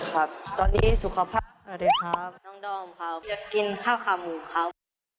ครับตอนนี้สุขภาพสวัสดีครับน้องดอมครับกินข้าวขาหมูครับ